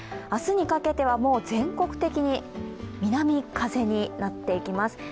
明日にかけては全国的に南風になっていきます。